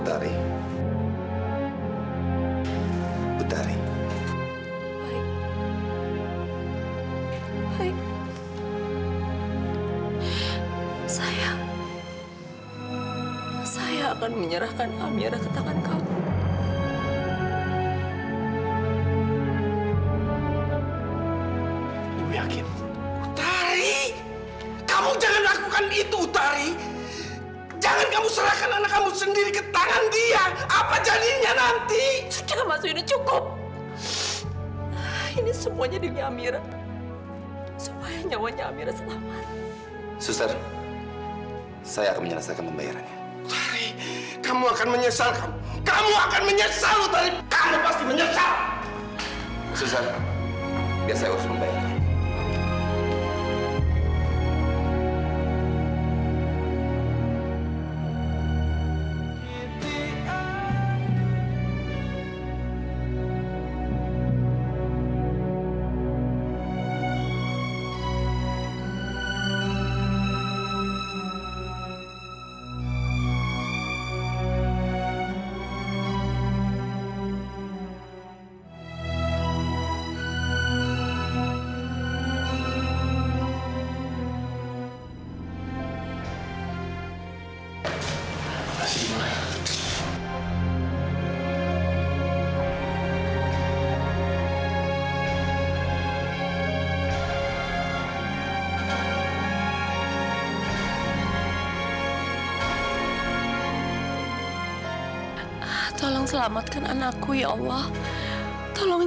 aneh banget kan ben